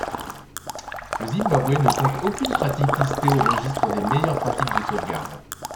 Le Zimbabwe ne compte aucune pratique listée au registre des meilleures pratiques de sauvegarde.